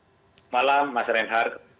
selamat malam mas renhard